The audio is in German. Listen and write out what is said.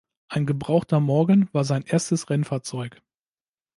Ein gebrauchter Morgan war sein erstes Rennfahrzeug.